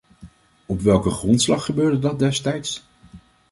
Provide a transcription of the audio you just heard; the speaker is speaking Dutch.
Op welke grondslag gebeurde dat destijds?